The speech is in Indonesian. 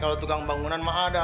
kalau tukang bangunan mah ada